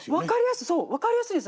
そう分かりやすいです。